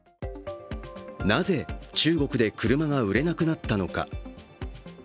なぜ、中国で車が売れなくなったのか。